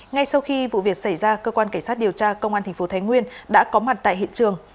ngay sau khi vụ việc xảy ra cơ quan cảnh sát điều tra công an tp thái nguyên đã có mặt tại hiện trường